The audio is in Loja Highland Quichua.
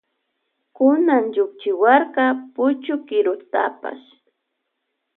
Kunan llukchiwarka puchu kirutapash.